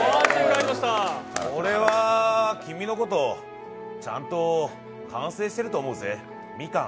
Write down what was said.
俺は君のこと、ちゃんと完成していると思うぜ、みかん。